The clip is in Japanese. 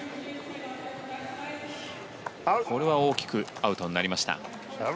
大きくアウトになりました。